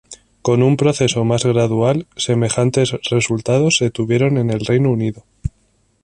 Con un proceso más gradual, semejantes resultados se tuvieron en el Reino Unido.